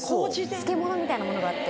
漬物みたいなものがあって。